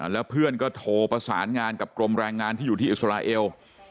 แล้วเพื่อนก็โทรประสานงานกับกรมแรงงานที่อยู่ที่อิสราเอล